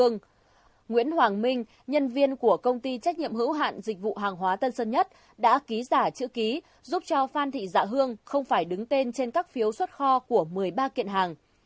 nguyễn hoàng minh nhân viên của công ty trách nhiệm hữu hạn dịch vụ hàng hóa tân sơn nhất đã ký giả chữ ký giúp cho phan thị dạ hương không phải đứng tên trên các phiếu xuất kho của một mươi ba kiện hàng